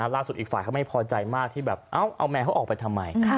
อีกฝ่ายเขาไม่พอใจมากที่แบบเอาแมวเขาออกไปทำไม